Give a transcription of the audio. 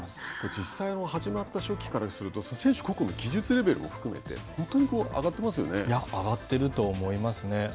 実際始まった初期からすると選手の技術レベルも含めて上がってると思いますね。